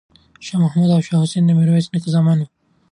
شاه محمود او شاه حسین د میرویس نیکه زامن وو.